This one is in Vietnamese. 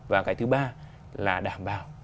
và cái thứ ba là đảm bảo